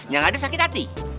yang ada sakit hati